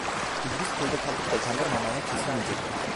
İdris köyde kaldıkça candarmanın ayağı kesilmeyecekti.